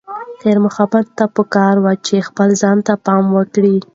خیر محمد ته پکار ده چې خپل ځان ته پام وکړي.